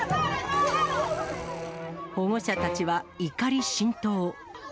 保護者たちは怒り心頭。